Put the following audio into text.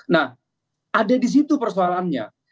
nah ada di situ persoalannya